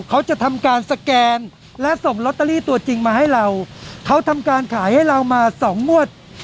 เขาจะทำการสแกนและส่งลอตเตอรี่ตัวจริงมาให้เราเขาทำการขายให้เรามาสองงวด